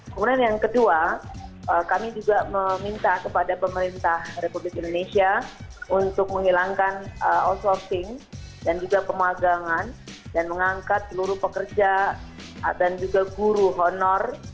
kemudian yang kedua kami juga meminta kepada pemerintah republik indonesia untuk menghilangkan outsourcing dan juga pemagangan dan mengangkat seluruh pekerja dan juga guru honor